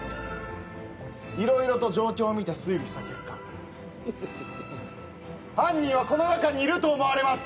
色々と状況を見て推理した結果犯人はこの中にいると思われます！